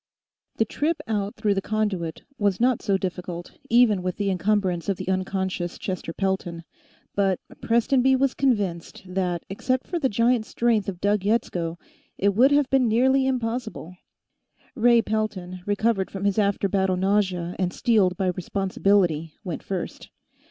The trip out through the conduit was not so difficult, even with the encumbrance of the unconscious Chester Pelton, but Prestonby was convinced that, except for the giant strength of Doug Yetsko, it would have been nearly impossible. Ray Pelton, recovered from his after battle nausea and steeled by responsibility, went first.